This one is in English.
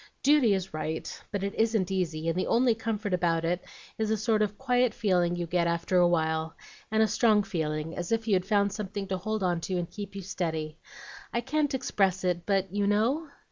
Duty is right, but it isn't easy, and the only comfort about it is a sort of quiet feeling you get after a while, and a strong feeling, as if you'd found something to hold on to and keep you steady. I can't express it, but you know?"